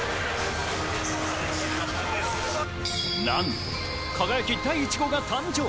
なんと輝第１号が誕生。